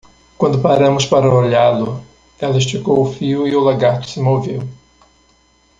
Quando paramos para olhá-lo, ela esticou o fio e o lagarto se moveu.